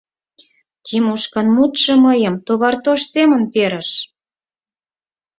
Тимошкан мутшо мыйым товартош семын перыш!